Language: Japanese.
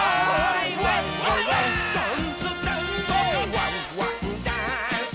「ワンワンダンス！」